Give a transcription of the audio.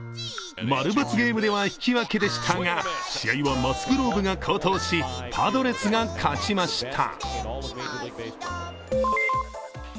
○×ゲームでは引き分けでしたが、試合はマスグローブが好投し、パドレスが勝ちました。